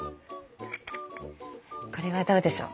これはどうでしょう。